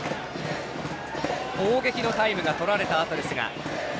攻撃のタイムがとられたあとですが。